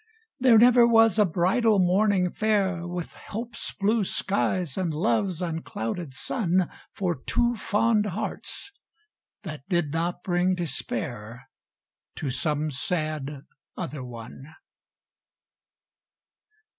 There never was a bridal morning fair With hope's blue skies and love's unclouded sun For two fond hearts, that did not bring despair To some sad other one.